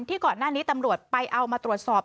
ก่อนหน้านี้ตำรวจไปเอามาตรวจสอบ